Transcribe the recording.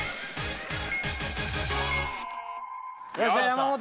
山本